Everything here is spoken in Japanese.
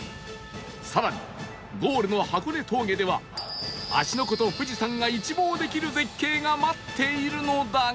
更にゴールの箱根峠では芦ノ湖と富士山が一望できる絶景が待っているのだが